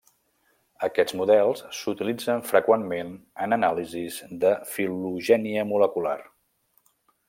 Aquests models s'utilitzen freqüentment en anàlisis de filogènia molecular.